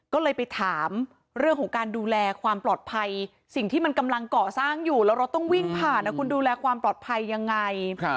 ก็เลยไปถามเรื่องของการดูแลความปลอดภัยสิ่งที่มันกำลังเกาะสร้างอยู่แล้วรถต้องวิ่งผ่านคุณดูแลความปลอดภัยยังไง